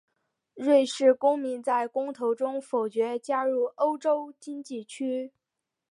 瑞士公民在公投中否决加入欧洲经济区。